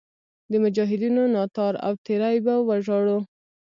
د مجاهدینو ناتار او تېری به وژاړو.